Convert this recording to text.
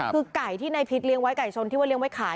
คือไก่ที่นายพิษเลี้ยไว้ไก่ชนที่ว่าเลี้ยไว้ขาย